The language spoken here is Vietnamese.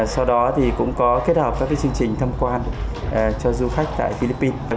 sau đó thì cũng có kết hợp các chương trình thăm quan cho du khách tại philippines